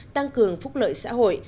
tăng cường phúc lợi xã hội